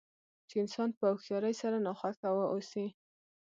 چې انسان په هوښیارۍ سره ناخوښه واوسي.